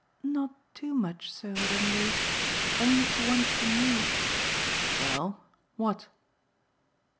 "Not too much so, at any rate, only to want from YOU " "Well, what?"